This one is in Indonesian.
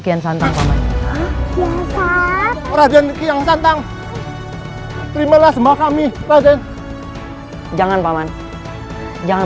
yang santai sama sama raden yang santang terima lah semua kami jangan paman jangan